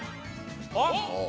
あっ！